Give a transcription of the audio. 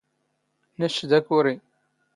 ⵏⵛⵛ ⴷ ⴰⴽⵓⵔⵉ.